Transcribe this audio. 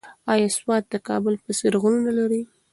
ایا سوات د کابل په څېر غرونه لري؟